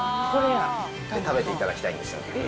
これで食べていただきたいんですよ。